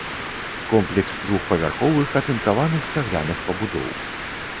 Комплекс двухпавярховых атынкаваных цагляных пабудоў.